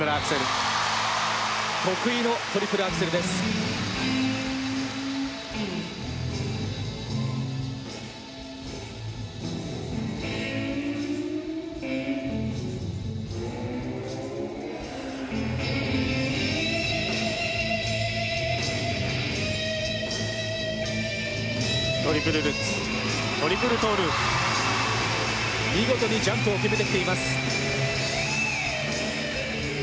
見事にジャンプを決めてきています。